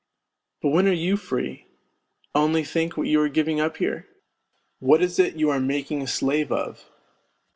But when are you free ? Only think what you are giving up here ? What is it you are making a slave of